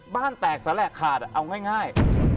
บ้านแตกแสแหละขาดเอาง่าย